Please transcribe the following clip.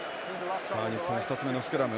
日本、２つ目のスクラム。